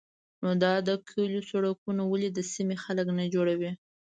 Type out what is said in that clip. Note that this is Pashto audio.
_نو دا د کليو سړکونه ولې د سيمې خلک نه جوړوي؟